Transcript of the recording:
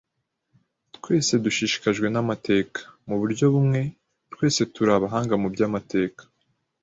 Twese dushishikajwe namateka. Mu buryo bumwe, twese turi abahanga mu by'amateka.